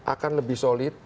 akan lebih solid